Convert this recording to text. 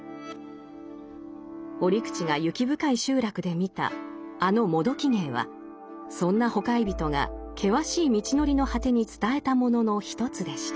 折口が雪深い集落で見たあのもどき芸はそんなほかひゞとが険しい道のりの果てに伝えたものの一つでした。